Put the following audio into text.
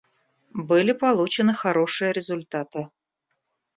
Были получены хорошие результаты.